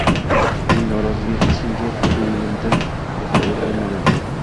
Mening noroziligim hech kimning ko`nglida mehr uyg`otolmadi